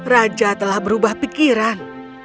raja telah berubah pikiran